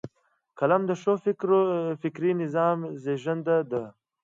قلم د ښو فکري نظام زیږنده ده